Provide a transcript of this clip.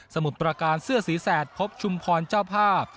มุดประการเสื้อสีแสดพบชุมพรเจ้าภาพ